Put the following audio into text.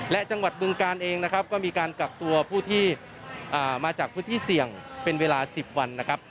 และจังหวัดบึงกาลเองนะครับก็มีการกักตัวผู้ที่มาจากพื้นที่เสี่ยงเป็นเวลา๑๐วันนะครับ